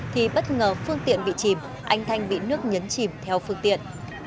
thì bất ngờ phương tiện bị chìm anh thanh bị nước nhấn chìm theo phương tiện